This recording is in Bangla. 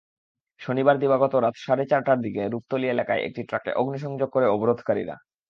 শনিবার দিবাগত রাত সাড়ে চারটার দিকে রূপাতলী এলাকায় একটি ট্রাকে অগ্নিসংযোগ করে অবরোধকারীরা।